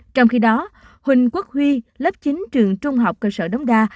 trong khi đó huỳnh quốc huy lớp chín trường trung học cơ sở đống đa